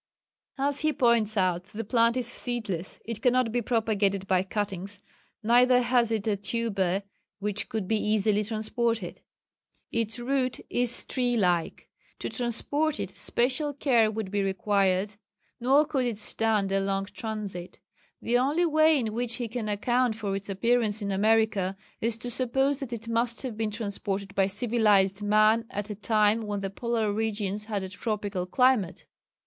As he points out, the plant is seedless, it cannot be propagated by cuttings, neither has it a tuber which could be easily transported. Its root is tree like. To transport it special care would be required, nor could it stand a long transit. The only way in which he can account for its appearance in America is to suppose that it must have been transported by civilized man at a time when the polar regions had a tropical climate!